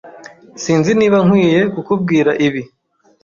Sinzi niba nkwiye kukubwira ibi.